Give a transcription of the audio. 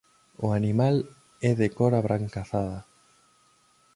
O animal é de cor abrancazada.